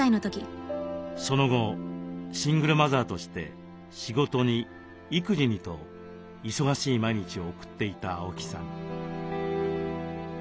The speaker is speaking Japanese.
その後シングルマザーとして仕事に育児にと忙しい毎日を送っていた青木さん。